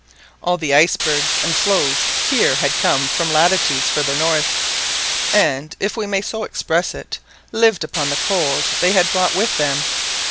All the icebergs and floes here had come from latitudes farther north, and, if we may so express it, lived upon the cold they had brought with them.